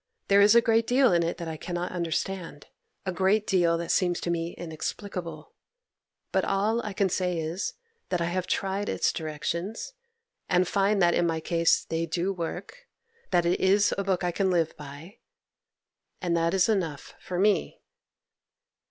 There is a great deal in it that I cannot understand—a great deal that seems to me inexplicable; but all I can say is, that I have tried its directions, and find that in my case they do work; that it is a book that I can live by, and that is enough for me.